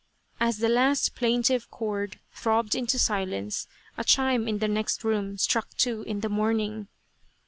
As the last plaintive chord throbbed into silence, a chime in the next room struck two in the morning.